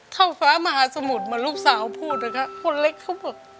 เข้าฟ้ามหาสมุทรเหมือนลูกสาวพูดนะคะคนเล็กเขาบอก